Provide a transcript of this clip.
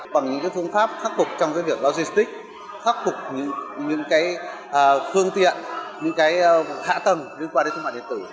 bằng những phương pháp khắc phục trong việc logistics khắc phục những phương tiện những hạ tầng liên quan đến thương mại điện tử